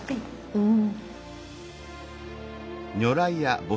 うん。